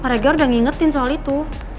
pak regar udah ngingetin soal itu